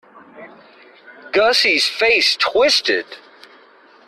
Gussie's face twisted.